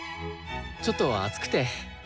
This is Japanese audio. ちょっと暑くて。